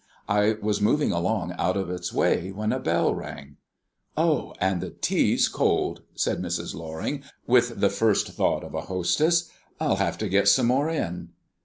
I was moving along out of its way when a bell rang. "Oh! and the tea's cold!" said Mrs. Loring, with the first thought of a hostess. "I'll have to get some more in."